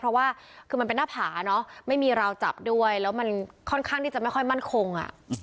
เพราะว่าคือมันเป็นหน้าผาเนอะไม่มีราวจับด้วยแล้วมันค่อนข้างที่จะไม่ค่อยมั่นคง